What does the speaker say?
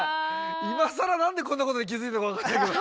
今さらなんでこんなことに気付いたか分かんないけど。